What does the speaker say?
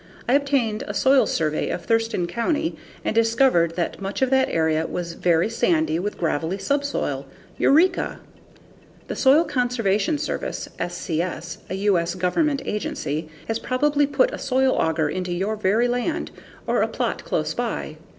I obtained a soil survey of Thurston County and discovered that much of that area was very sandy with gravelly subsoil. Eureka! The Soil Conservation Service (SCS), a U.S. Government agency, has probably put a soil auger into your very land or a plot close by.